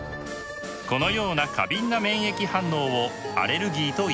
このような過敏な免疫反応をアレルギーといいます。